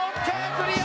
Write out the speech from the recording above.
クリア